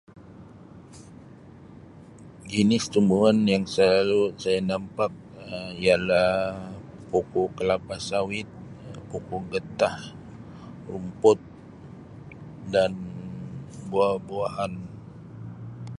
Jenis tumbuhan yang saya selalu saya nampak Um ialah pokok kelapa sawit, Um pokok getah, rumput dan buah-buahan.